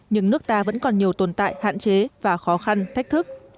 nhưng nước ta vẫn còn nhiều tồn tại hạn chế và khó khăn thách thức